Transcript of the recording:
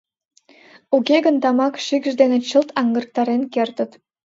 Уке гын тамак шикш дене чылт аҥыртарен кертыт.